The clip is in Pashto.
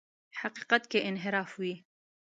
حقیقت کې انحراف وي.